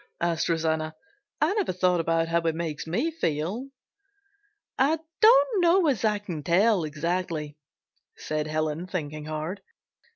asked Rosanna. "I never thought about how it makes me feel." "I don't know as I can tell exactly," said Helen, thinking hard.